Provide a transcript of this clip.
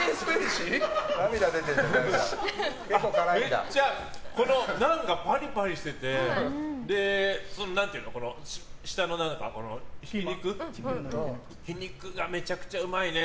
めっちゃナンがパリパリしてて下のひき肉がめちゃくちゃうまいね。